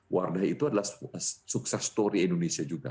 wardah itu adalah sukses story indonesia juga